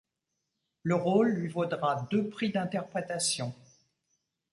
Le rôle lui vaudra deux prix d'interprétation.